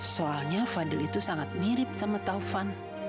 soalnya fadil itu sangat mirip sama taufan